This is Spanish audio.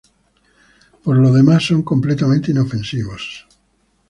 Por lo demás, son completamente inofensivos.